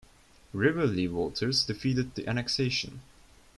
Riverlea voters defeated the annexation.